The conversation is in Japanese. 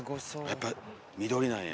やっぱ緑なんや。